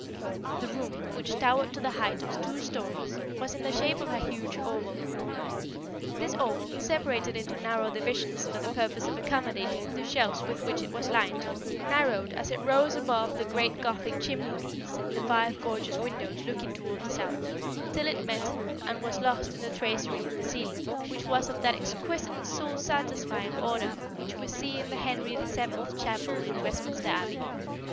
The room, which towered to the height of two stories, was in the shape of a huge oval. This oval, separated into narrow divisions for the purpose of accommodating the shelves with which it was lined, narrowed as it rose above the great Gothic chimney piece and the five gorgeous windows looking towards the south, till it met and was lost in the tracery of the ceiling, which was of that exquisite and soul satisfying order which we see in the Henry VII chapel in Westminster Abbey.